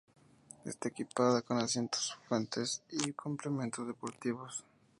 Está equipada con asientos, fuentes, y complementos deportivos.